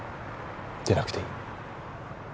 出なくていい。